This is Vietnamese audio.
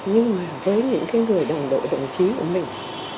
nhưng mà với những người đồng đội đồng chí của mình